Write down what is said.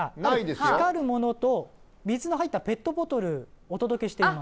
光るものと水の入ったペットボトルお届けしています。